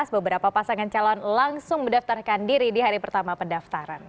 beberapa pasangan calon langsung mendaftarkan diri di hari pertama pendaftaran